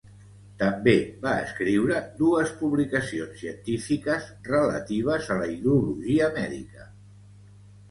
També va escriure dues publicacions científiques relatives a la hidrologia mèdica.